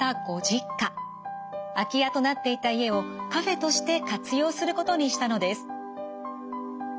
空き家となっていた家をカフェとして活用することにしたのです。